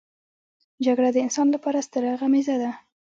جګړه د انسان لپاره ستره غميزه ده